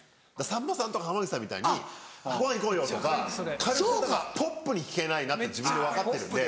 さんまさんとか濱口さんみたいに「ごはん行こうよ」とか軽くポップに聞けないなって自分で分かってるんで。